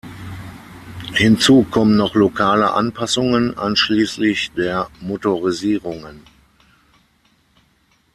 Hinzu kommen noch lokale Anpassungen einschließlich der Motorisierungen.